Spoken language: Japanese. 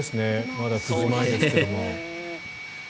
まだ９時前ですけど。